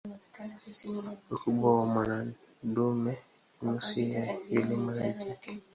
Ukubwa wa madume ni nusu ya ule wa majike.